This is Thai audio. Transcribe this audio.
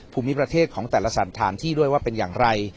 ภูมิประเทศของแต่ละสถานที่ด้วยว่าเป็นอย่างไร